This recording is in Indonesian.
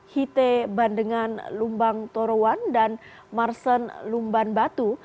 hite bandengan lumbang torowan dan marsen lumban batu